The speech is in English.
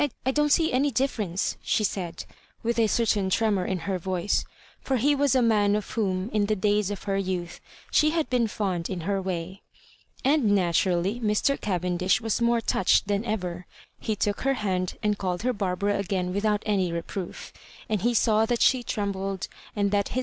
"I don't see any difference," she said^ with a certain tremor in her voice; for he was a man of whom, in the days of her youth, she had been fond in her way. And naturally Mr. Cavendish was more touched than ever. He took her hand, and called her Barbara again without any reproof; and he saw that she trembled, and that hut